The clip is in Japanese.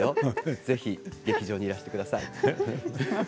ぜひ劇場にいらしてください。